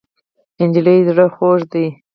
نجلۍ زړه خوږه ده.